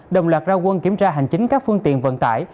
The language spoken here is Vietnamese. đồng loạt ra quân kiểm tra hành chính các phương tiện vận tải